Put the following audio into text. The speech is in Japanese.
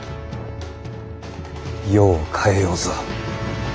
世を変えようぞ。